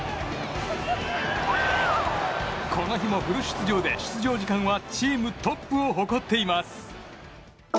この日もフル出場で、出場時間はチームトップを誇っています。